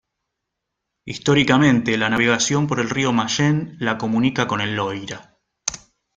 Históricamente, la navegación por el río Mayenne la comunica con el Loira.